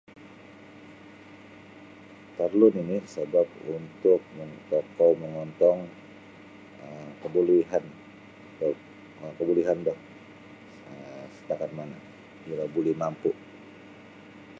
Parlu' nini' sabap untuk tokou mongontong um kabolehan da kabolehan do satakat mana' iro buli mampu'.